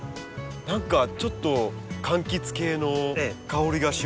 何かちょっとかんきつ系の香りがしますね。